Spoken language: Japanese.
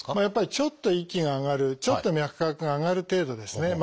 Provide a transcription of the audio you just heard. やっぱりちょっと息が上がるちょっと脈拍が上がる程度ですね。